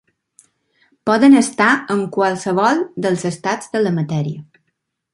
Poden estar en qualsevol dels estats de la matèria.